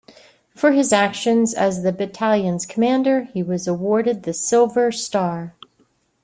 For his actions as the battalion's commander he was awarded the Silver Star.